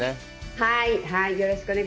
はい。